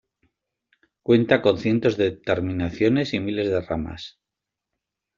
Cuenta con cientos de terminaciones y miles de ramas.